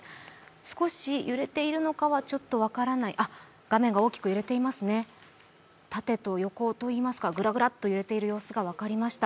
少し揺れているのかはちょっと分からない画面が大きく揺れていますね、縦と横といいますか、ぐらぐらっと揺れている様子が分かりました。